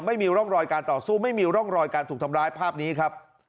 ไม่มีร่องรอยการต่อสู้ไม่มีร่องรอยการถูกทำร้ายภาพนี้ครับ